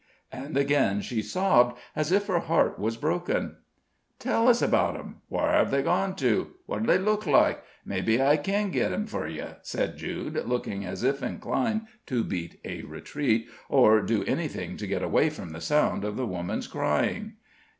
And again she sobbed as if her heart was broken. "Tell us 'bout 'em. Whar hev they gone to? what do they luk like? Mebbe I ken git him fur yer," said Jude, looking as if inclined to beat a retreat, or do anything to get away from the sound of the woman's crying.